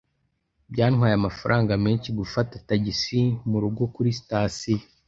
Byantwaye amafaranga menshi gufata tagisi murugo kuri sitasiyo.